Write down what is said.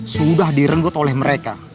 sudah direnggut oleh mereka